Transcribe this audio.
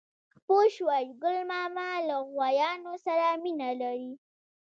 _پوه شوې؟ ګل ماما له غوايانو سره مينه نه لري.